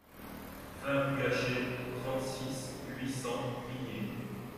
vingt rue Gachet, trente-six, huit cents, Migné